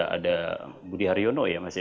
ada budi haryono ya mas ya